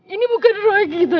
ini bukan roy gitu